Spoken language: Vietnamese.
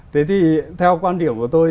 thế thì theo quan điểm của tôi